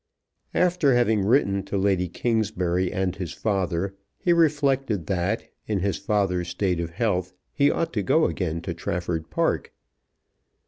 After having written to Lady Kingsbury and his father he reflected that, in his father's state of health, he ought to go again to Trafford Park.